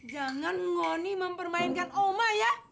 jangan ngoni mempermainkan oma ya